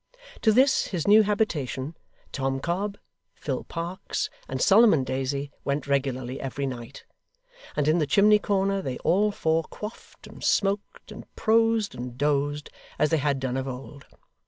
To this, his new habitation, Tom Cobb, Phil Parkes, and Solomon Daisy went regularly every night: and in the chimney corner, they all four quaffed, and smoked, and prosed, and dozed, as they had done of old.